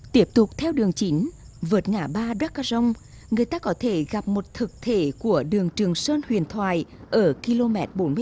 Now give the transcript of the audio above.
tiếp tục theo đường chín vượt ngã ba đắc caron người ta có thể gặp một thực thể của đường trường sơn huyền thoại ở km bốn mươi tám